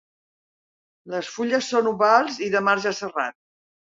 Les fulles són ovals i de marge serrat.